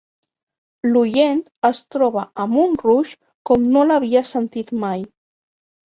L'oient es troba amb un Rush com no l'havia sentit mai.